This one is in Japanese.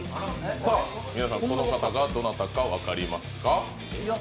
皆さん、この方がどなたか分かりますか？